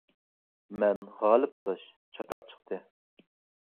— مەن غالىپ ئاداش، چاتاق چىقتى.